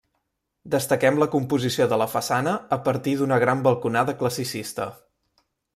Destaquem la composició de la façana a partir d'una gran balconada classicista.